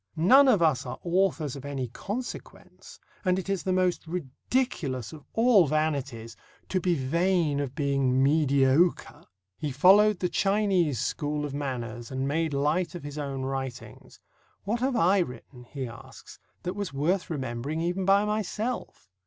None of us are authors of any consequence, and it is the most ridiculous of all vanities to be vain of being mediocre." He followed the Chinese school of manners and made light of his own writings. "What have I written," he asks, "that was worth remembering, even by myself?"